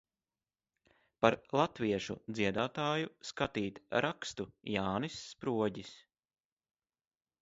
Par latviešu dziedātāju skatīt rakstu Jānis Sproģis.